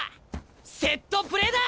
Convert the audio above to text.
セットプレーだ！